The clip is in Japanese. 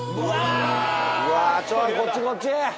うわぁちょっとこっちこっち。